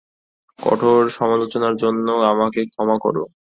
কঠোর সমালোচনার জন্য আমাকে ক্ষমা কর।